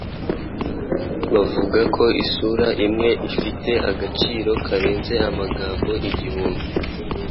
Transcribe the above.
Bavuga ko isura imwe ifite agaciro karenze amagambo igihumbi.